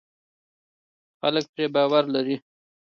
خلک پرې باور لري.